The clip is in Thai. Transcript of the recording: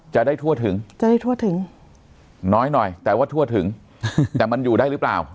จะได้ทั่วถึงจะได้ทั่วถึงน้อยหน่อยแต่ว่าทั่วถึงแต่มันอยู่ได้หรือเปล่า